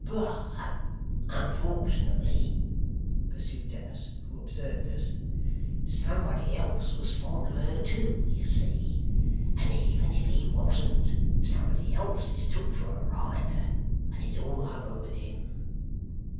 ' But unfort'nately,' pursued Dennis, who observed this: 'somebody else was fond of her too, you see; and even if he wasn't, somebody else is took for a rioter, and it's all over with him.